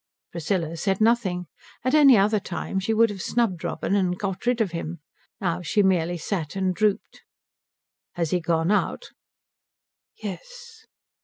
Priscilla said nothing. At any other time she would have snubbed Robin and got rid of him. Now she merely sat and drooped. "Has he gone out?" "Yes."